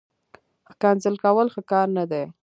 ښکنځل کول، ښه کار نه دئ